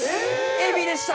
エビでした！